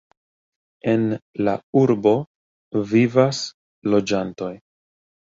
En la urbo vivas loĝantoj.